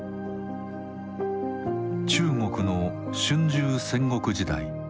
中国の春秋・戦国時代。